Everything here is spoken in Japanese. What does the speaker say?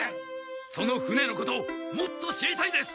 その船のこともっと知りたいです！